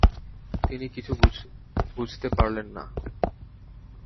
তিনি কিছু বুঝতে পারলেন না।